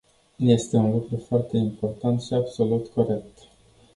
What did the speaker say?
Este un lucru foarte important și absolut corect.